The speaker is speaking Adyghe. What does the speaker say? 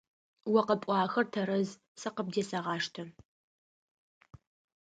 О къэпӀуагъэхэр тэрэз, сэ къыбдесэгъаштэ.